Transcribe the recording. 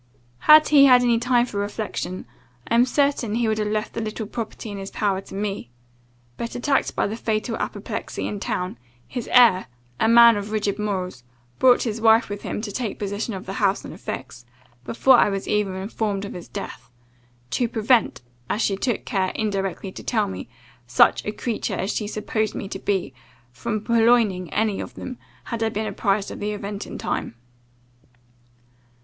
Had he had any time for reflection, I am certain he would have left the little property in his power to me: but, attacked by the fatal apoplexy in town, his heir, a man of rigid morals, brought his wife with him to take possession of the house and effects, before I was even informed of his death, 'to prevent,' as she took care indirectly to tell me, 'such a creature as she supposed me to be, from purloining any of them, had I been apprized of the event in time.